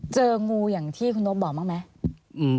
เจองูอย่างที่คุณนบบอกบ้างไหม